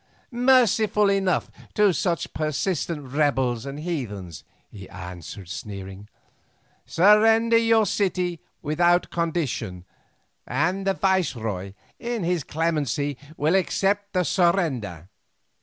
"Merciful enough to such pestilent rebels and heathens," he answered sneering. "Surrender your city without condition, and the viceroy, in his clemency, will accept the surrender.